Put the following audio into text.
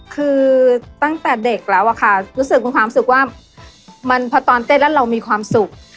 คือตั้งแต่เด็กแล้วอะค่ะรู้สึกมีความสุขว่ามันพอตอนเต้นแล้วเรามีความสุข